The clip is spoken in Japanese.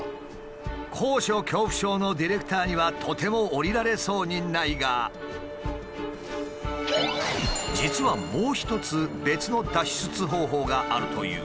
高所恐怖症のディレクターにはとても下りられそうにないが実はもう一つ別の脱出方法があるという。